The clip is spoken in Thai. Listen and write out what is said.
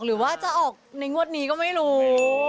หรือว่าจะออกในงวดนี้ก็ไม่รู้